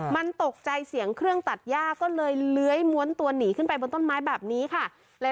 ไม่มีชายดูลิวที่ทำให้ชายหน้า